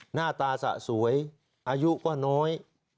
หน้าตาสะสวยอายุก็น้อย